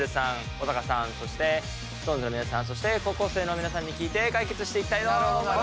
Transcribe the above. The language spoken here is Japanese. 小高さんそしてＳｉｘＴＯＮＥＳの皆さんそして高校生の皆さんに聞いて解決していきたいと思います。